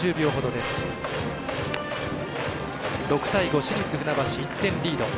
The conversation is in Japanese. ６対５、市立船橋、１点リード。